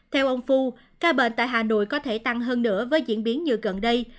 theo ông phu ca bệnh tại hà nội có thể tăng hơn nữa với diễn biến như gần đây